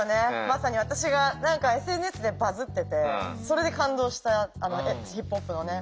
まさに私がＳＮＳでバズっててそれで感動したＧーＰＯＰのね。